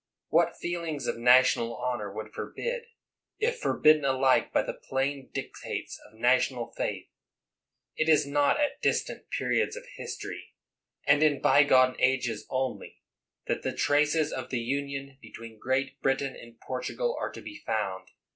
What feelings of national honor would forbid, is forbidden alike by the plain dic tates of national faith. It is not at distant periods of history, and in bygone ages only, that the traces of the union between Great Britain and Portugal are to be found.